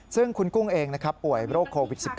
ซึ่งคุณกุ้งเองนะครับป่วยโรคโควิด๑๙